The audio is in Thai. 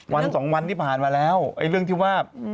วันสองวันที่ผ่านมาแล้วไอ้เรื่องที่ว่า